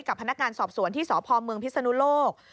กับพนักงานสอบสวนที่สพเมืองพิศนุโลก